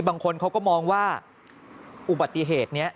บางคนเขาก็มองว่าอุบัติเหตุนี้